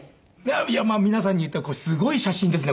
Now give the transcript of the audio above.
いやまあ皆さんに言ったらすごい写真ですね